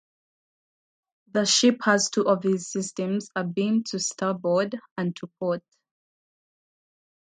The ship has two of these systems abeam to starboard and to port.